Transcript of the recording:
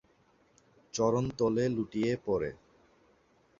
চরণ তলে লুটিয়ে পড়ে।